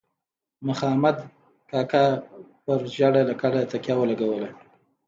مخامد کاکا پر زیړه لکړه تکیه ولګوه.